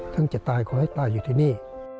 ทั้งจะตายก็ให้ตายอยู่ที่นี่